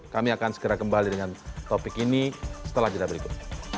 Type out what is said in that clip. kami akan segera kembali dengan topik ini setelah jeda berikut